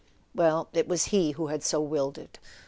Well—it was he who had so willed it.